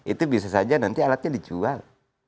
itu bisa saja nanti alatnya dijual